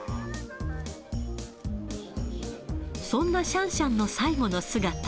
そんなシャンシャンの最後の姿。